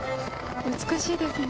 美しいですね。